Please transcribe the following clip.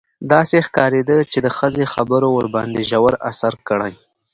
داسې ښکارېده چې د ښځې خبرو ورباندې ژور اثر کړی.